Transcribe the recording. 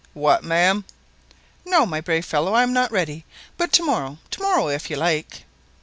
"What, ma'am?" "No, my brave fellow, I am not ready; but to morrow, to morrow if you like."